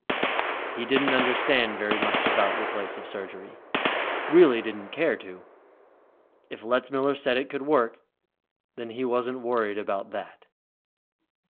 He didn't understand very much about replacive surgery, really didn't care to. If Letzmiller said it could work, then he wasn't worried about that.